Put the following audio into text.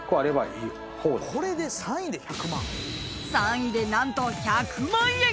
［３位で何と１００万円］